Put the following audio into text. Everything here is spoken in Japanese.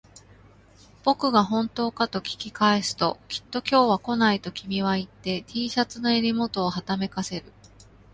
僕が本当かと聞き返すと、きっと今日は来ないと君は言って、Ｔ シャツの襟元をはためかせる